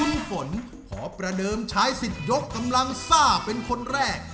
คุณฝนขอประเดิมใช้สิทธิ์ยกกำลังซ่าเป็นคนแรก